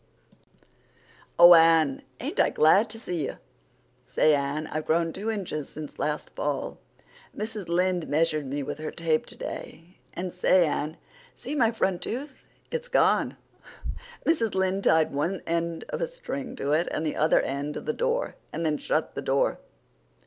"Oh, Anne, ain't I glad to see you! Say, Anne, I've grown two inches since last fall. Mrs. Lynde measured me with her tape today, and say, Anne, see my front tooth. It's gone. Mrs. Lynde tied one end of a string to it and the other end to the door, and then shut the door.